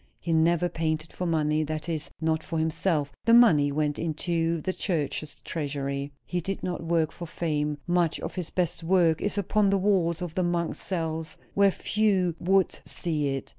He never painted for money; that is, not for himself; the money went into the church's treasury. He did not work for fame; much of his best work is upon the walls of the monks' cells, where few would see it.